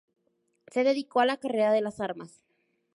Se dedicó a la carrera de las armas.